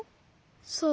そう。